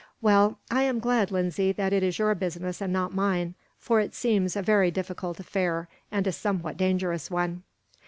"Well, I am glad, Lindsay, that it is your business and not mine; for it seems a very difficult affair, and a somewhat dangerous one."